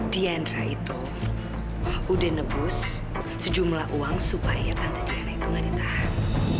diandra itu udah nebus sejumlah uang supaya tante diana itu gak ditahan